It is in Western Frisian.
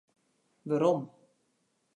Werom.